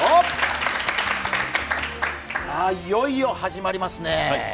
いよいよ始まりますね。